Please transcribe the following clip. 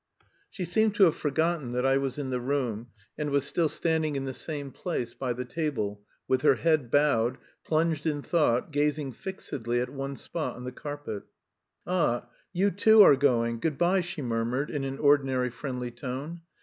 She seemed to have forgotten that I was in the room, and was still standing in the same place by the table with her head bowed, plunged in thought, gazing fixedly at one spot on the carpet. "Ah, you, too, are going, good bye," she murmured in an ordinary friendly tone.